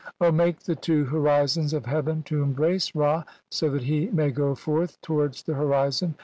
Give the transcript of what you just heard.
"make the two horizons of heaven to embrace Ra so "that he may go forth towards the horizon.